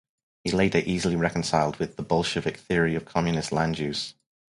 He later easily reconciled with the Bolshevik theory of communist land use.